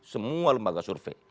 semua lembaga survei